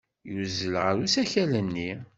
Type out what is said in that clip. Yuzzel ɣer usakal-nni.